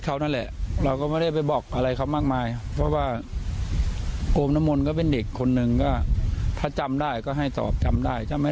เพราะว่าเราก็ไม่รู้ว่าตำรวจจะถามอะไร